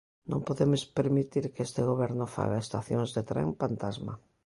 Non podemos permitir que este goberno faga estacións de tren pantasma.